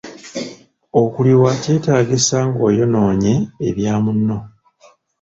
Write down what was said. Okuliwa kwetaagisa ng’oyonoonye ebya munno.